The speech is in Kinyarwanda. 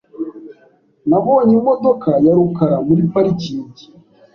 Nabonye imodoka ya rukara muri parikingi .